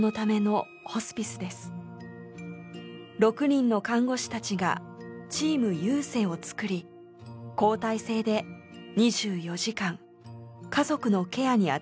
６人の看護師たちがチームＹＵＳＥＩをつくり交代制で２４時間家族のケアにあたりました。